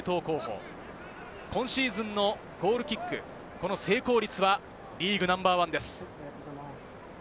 日本代表の司令塔候補、今シーズンのゴールキック、この成功率はリーグナンバーワンです。